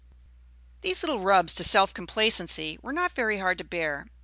These little rubs to self complacency were not very hard to bear.